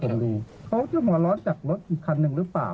เขาบอกว่าจะหัวร้อนจากรถอีกคันนึงหรือเปล่า